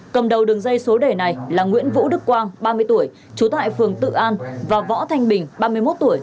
cầm đầu đường dây số đề này là nguyễn vũ đức quang ba mươi tuổi trú tại phường tự an và võ thanh bình ba mươi một tuổi